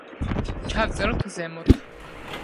დავწეროთ ზემოთ.